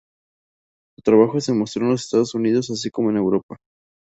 Su trabajo se mostró en los Estados Unidos así como en Europa.